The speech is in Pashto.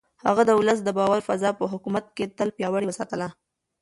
هغه د ولس د باور فضا په حکومت کې تل پياوړې وساتله.